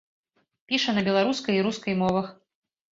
Піша на беларускай і рускай мовах.